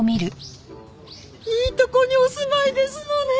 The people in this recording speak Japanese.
いいところにお住まいですのね！